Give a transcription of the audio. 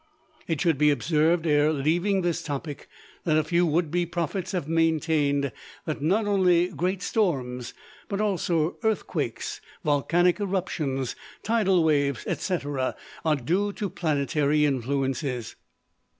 It should be observed, ere leaving this topic, that a few would be prophets have maintained that not only great storms, but also earthquakes, volcanic eruptions, tidal waves, etc., are due to planetary influences.